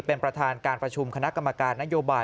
เป็นประธานการประชุมคณะกรรมการนโยบาย